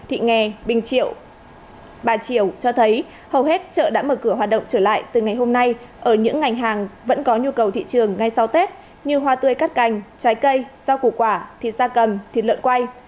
thị nghè bình triệu bà triều cho thấy hầu hết chợ đã mở cửa hoạt động trở lại từ ngày hôm nay ở những ngành hàng vẫn có nhu cầu thị trường ngay sau tết như hoa tươi cắt cành trái cây rau củ quả thịt xa cầm thịt lợn quay